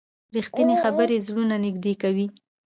رښتیني خبرې زړونه نږدې کوي.